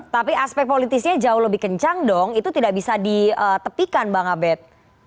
tapi aspek politisnya jauh lebih kencang dong itu tidak bisa ditepikan bang abed